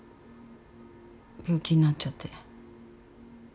病気になっちゃって。